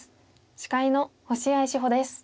司会の星合志保です。